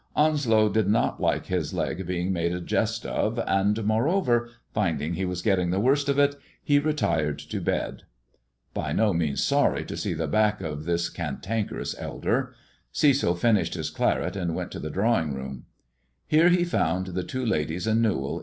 Onslow did not like his leg being made a jest of, and, moreover, finding he was getting the worst of it, he retired THE IVOBY LEG AND THE DIAMONDS 343 X) bed By no means sorry to see the back of this can tankerous elder Cecil finished his claret and went to the irawing room Heie he found the two ladies and Kewall